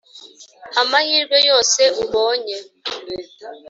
amahirwe yose ubonye.